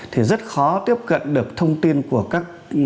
thì rất khó tiếp cận được thông tin của các